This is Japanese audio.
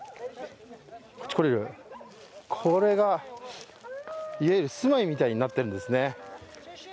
これがいわゆるすまいみたいになってるんですね。